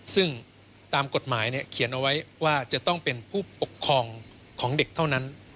ซึ่งตามกฎหมายเขียนเอาไว้ว่าจะต้องเป็นผู้ปกครองของเด็กเท่านั้น